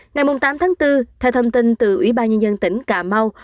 ngày tám tháng bốn theo thông tin từ ủy ban nhân dân tỉnh cà mau